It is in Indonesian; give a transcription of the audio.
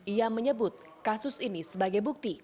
ia menyebut kasus ini sebagai bukti